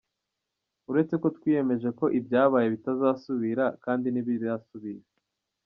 Uretse ko twiyemeje ko ibyabaye bitazasubira…kandi ntibirasubira!